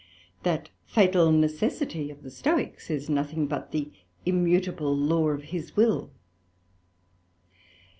That fatal Necessity of the Stoicks, is nothing but the immutable Law of his will.